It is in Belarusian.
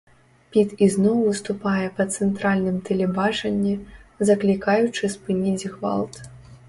Піт ізноў выступае па цэнтральным тэлебачанні, заклікаючы спыніць гвалт.